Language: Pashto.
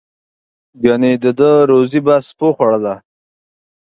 گني د ده روزي به سپیو خوړله.